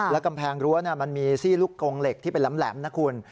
แล้วกำแพงรั้วมันมีซี่ลูกกงเหล็กที่เป็นแหลมนะคุณ